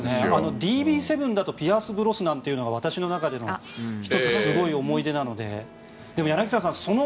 ＤＢ５だとピアース・ブロスナンというのが私の中での１つ、すごい思い出なので。